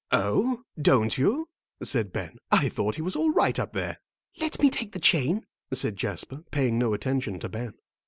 "Oh, don't you?" said Ben. "I thought he was all right up there." "Let me take the chain," said Jasper, paying no attention to Ben.